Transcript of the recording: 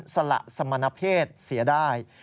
สละสมณเพศเสียได้